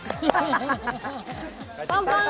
パンパン！